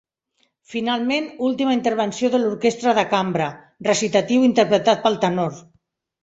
Finalment última intervenció de l'orquestra de cambra, recitatiu interpretat pel tenor.